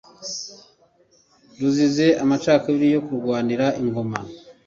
ruzize amacakubiri yo kurwanira Ingoma.